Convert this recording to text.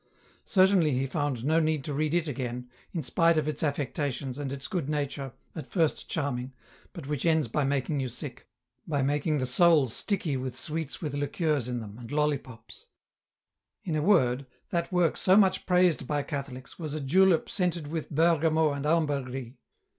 Certainly he found no need to read it again, in spite of its affectations, and its good nature, at first charming, but which ends by making you sick, by making the soul sticky with sweets with liqueurs in them, and loUypops ; in a word, that work so much praised by Catholics was a julep scented with bergamot and ambergris.